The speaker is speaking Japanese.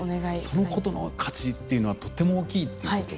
そのことの価値っていうのはとっても大きいっていうこと。